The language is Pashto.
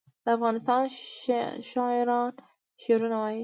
د افغانستان شاعران شعرونه وايي